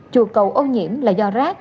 chùa cầu ô nhiễm là do rác